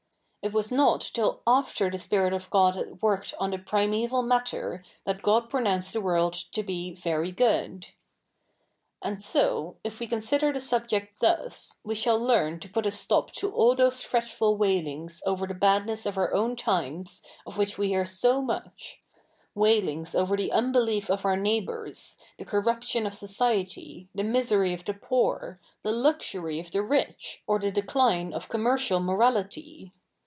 It was not till after the Spirit of God had worked o?i the primeval matter that God pronounced the world to be " very goodP ' And so, if we consider the subject thus, we shall learn to put a stop to all those fretful wai lings over the badness of our own times of which ive hear so much — waitings over the imbelief of our neighbours, the corruption of society, Uie misery of the poor, the luxury of the rich, or the decline of commercial morality.